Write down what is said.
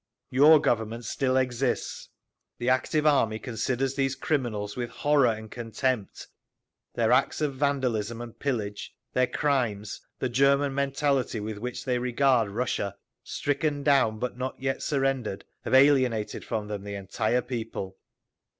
Your Government still exists…. The active army considers these criminals with horror and contempt. Their acts of vandalism and pillage, their crimes, the German mentality with which they regard Russia—stricken down but not yet surrendered—have alienated from them the entire people.